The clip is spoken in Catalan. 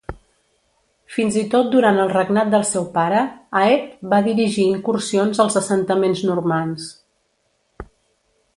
Fins i tot durant el regnat del seu pare, Aedh va dirigir incursions als assentaments normands.